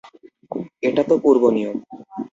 এটা তো পূর্ব নিয়ম।